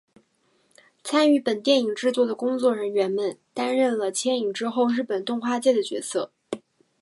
参与本电影制作的工作人员们担任了牵引之后日本动画界的角色。